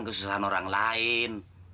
kesusahan orang lain